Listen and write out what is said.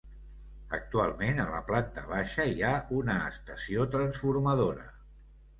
Actualment a la planta baixa hi ha una estació transformadora.